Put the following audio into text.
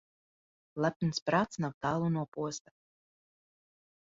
Lepns prāts nav tālu no posta.